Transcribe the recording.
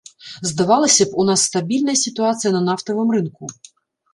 Здавалася б, у нас стабільная сітуацыя на нафтавым рынку.